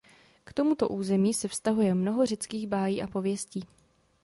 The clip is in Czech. K tomuto území se vztahuje mnoho řeckých bájí a pověstí.